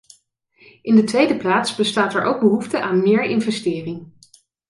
In de tweede plaats bestaat er ook behoefte aan meer investering.